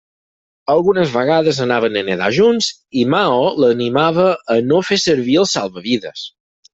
Algunes vegades anaven a nedar junts i Mao l'animava a no fer servir el salvavides.